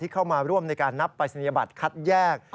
เข้ามาร่วมในการนับปรายศนียบัตรคัดแยก